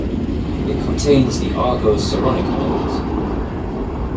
It contains the Argo-Saronic Islands.